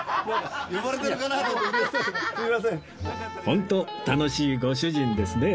本当楽しいご主人ですね